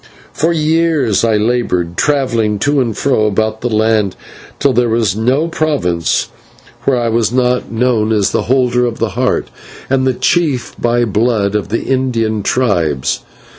For years I laboured, travelling to and fro about the land till there was no province where I was not known as the Holder of the Heart, and the chief by blood of the Indian tribes.